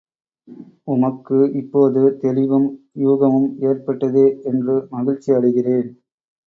உமக்கு இப்போது தெளிவும், யூகமும் ஏற்பட்டதே என்று மகிழ்ச்சி அடைகிறேன்.